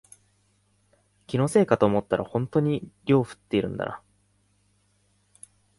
気のせいかと思ったらほんとに量減ってるんだな